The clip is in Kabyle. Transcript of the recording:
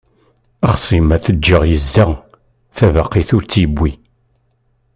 Axṣim ad t-ǧǧeɣ yezza, tabaqit ur tt-yewwi.